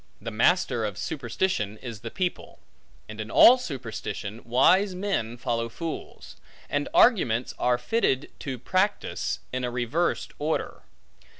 The master of superstition, is the people; and in all superstition, wise men follow fools; and arguments are fitted to practice, in a reversed order.